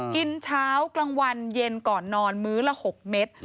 กินเช้ากลางวันเย็นก่อนนอนมื้อละ๖เม็ด